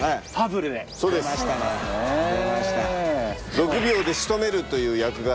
６秒で仕留めるという役柄で。